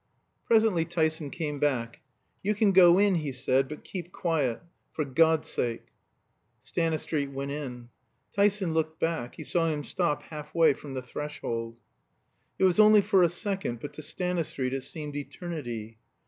Presently Tyson came back. "You can go in," he said, "but keep quiet, for God's sake!" Stanistreet went in. Tyson looked back; he saw him stop half way from the threshold. It was only for a second, but to Stanistreet it seemed eternity.